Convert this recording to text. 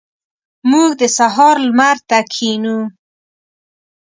موږ د سهار لمر ته کښینو.